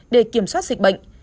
để kiểm soát dịch bệnh